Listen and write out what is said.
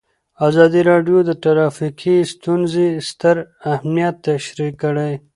ازادي راډیو د ټرافیکي ستونزې ستر اهميت تشریح کړی.